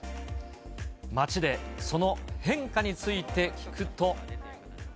待ちでその変化について聞くと。